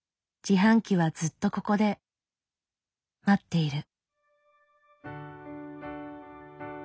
自販機はずっとここで待っている。